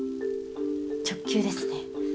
直球ですね。